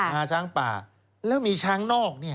งาช้างป่าแล้วมีช้างนอกเนี่ย